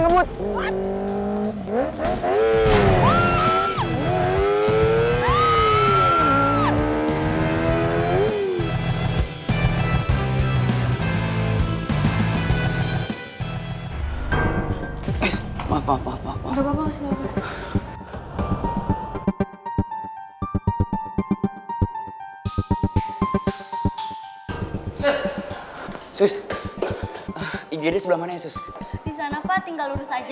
sampai jumpa di video selanjutnya